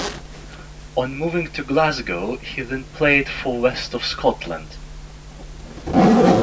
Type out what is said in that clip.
On moving to Glasgow he then played for West of Scotland.